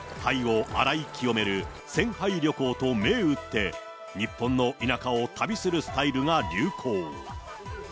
肺を洗い清める洗肺旅行と銘打って、日本の田舎を旅するスタイルが流行。